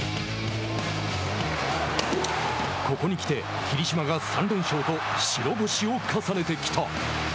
ここに来て霧島が３連勝と白星を重ねてきた。